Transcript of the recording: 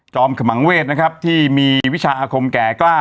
ขมังเวศนะครับที่มีวิชาอาคมแก่กล้า